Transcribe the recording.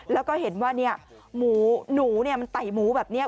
แล้วก็เห็นว่าเนี่ยหนูเนี่ยมันไต่หมูแบบนี้